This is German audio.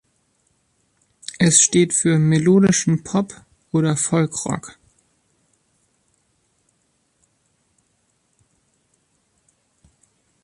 Es steht für melodischen Pop- oder Folk Rock.